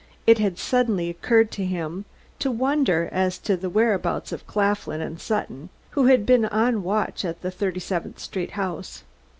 It had suddenly occurred to him to wonder as to the whereabouts of Claflin and Sutton, who had been on watch at the Thirty seventh Street house.